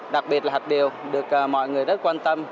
đặc biệt là hạt điều được mọi người rất quan tâm